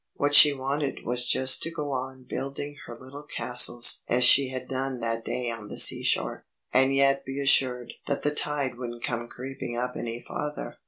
What she wanted was just to go on building her little castles as she had done that day on the sea shore, and yet be assured that the tide wouldn't come creeping up any farther.